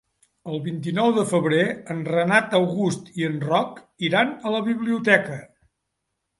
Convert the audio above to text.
El vint-i-nou de febrer en Renat August i en Roc iran a la biblioteca.